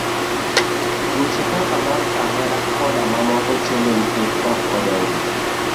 Tuoche kaka mano mar kahera koda mamoko chendo nikech ok odew gi.